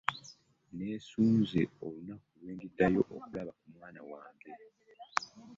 Nneesunze olunaku lwe ndiddayo okulaba ku mwana wange.